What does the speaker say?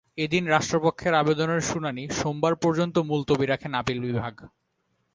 এদিন রাষ্ট্রপক্ষের আবেদনের শুনানি সোমবার পর্যন্ত মুলতবি রাখেন আপিল বিভাগ।